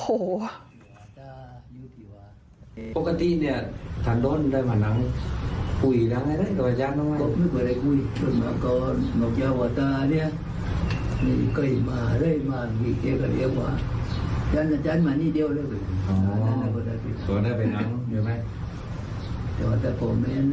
โอ้โห